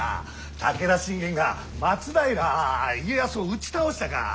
武田信玄が松平家康を打ち倒したか。